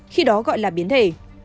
khi đó gọi là biến thể